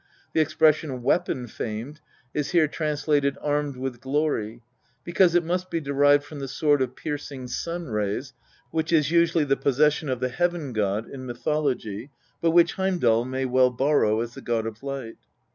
The expression " weapon famed " is here translated " armed with glory," because it must be derived from the sword of piercing sun rays which is usually the possession of the Heaven god in mythology, but which Heimdal may well borrow as the god of light.